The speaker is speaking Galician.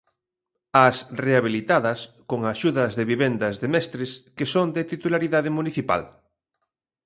As rehabilitadas, con axudas de vivendas de mestres, que son de titularidade municipal.